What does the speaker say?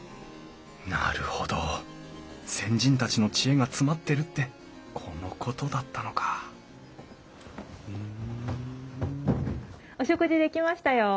なるほど先人たちの知恵が詰まってるってこのことだったのかお食事出来ましたよ。